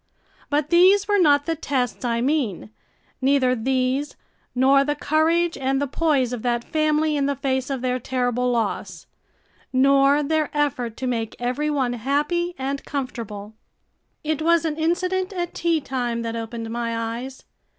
But these were not the tests I mean, neither these nor the courage and the poise of that family in the face of their terrible loss, nor their effort to make every one happy and comfortable. It was an incident at tea time that opened my eyes.